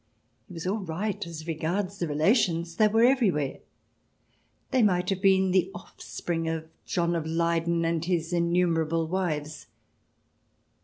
He was all right as regards the relations. They were everywhere. They might have been the off spring of John of Leyden and his innumerable wives.